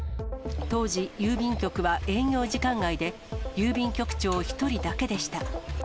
当時、郵便局は営業時間外で、郵便局長１人だけでした。